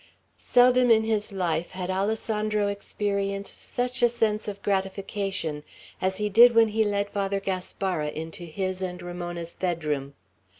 Seldom in his life had Alessandro experienced such a sense of gratification as he did when he led Father Gaspara into his and Ramona's bedroom.